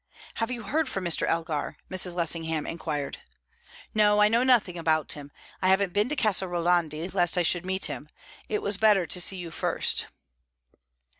"Have you heard from Mr. Elgar?" Mrs. Lessingham inquired. "No. I know nothing about him. I haven't been to Casa Rolandi, lest I should meet him. It was better to see you first."